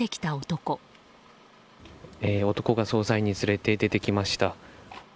男が捜査員に続いて出てきました。